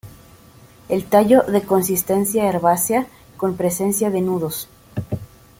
El tallo de consistencia herbácea, con presencia de nudos.